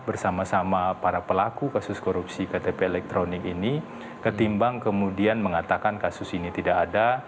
bersama sama para pelaku kasus korupsi ktp elektronik ini ketimbang kemudian mengatakan kasus ini tidak ada